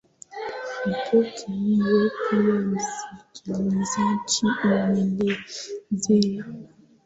ripoti hiyo pia msikilizaji imeelezea